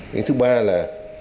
cái thứ ba là